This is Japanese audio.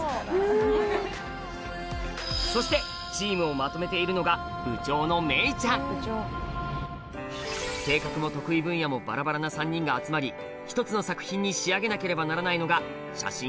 そしてチームをまとめているのが部長のめいちゃん性格も得意分野もバラバラな３人が集まり１つの作品に仕上げなければならないのが写真